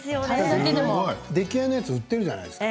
出来合いのものが売っているじゃないですか。